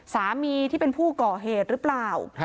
สามีที่เป็นผู้ก่อเหตุหรือเปล่า